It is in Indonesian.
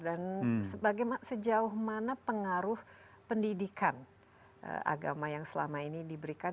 dan sejauh mana pengaruh pendidikan agama yang selama ini diberikan